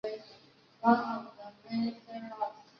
京都所司代村井贞胜则夜宿于本能寺前的自邸。